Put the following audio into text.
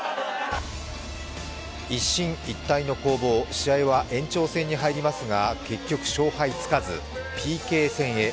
一進一退の攻防、試合は延長戦に入りますが、結局、勝敗つかずＰＫ戦へ。